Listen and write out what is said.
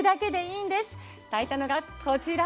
炊いたのがこちら。